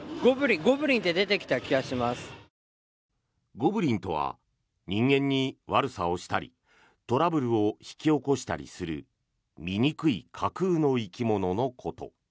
ゴブリンとは人間に悪さをしたりトラブルを引き起こしたりする醜い架空の生き物のこと。